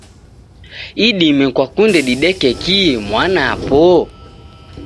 Idime kwakunde dideke kii mwanapo?